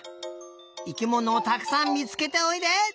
生きものをたくさんみつけておいで！